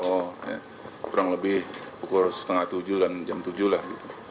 oh kurang lebih pukul setengah tujuh dan jam tujuh lah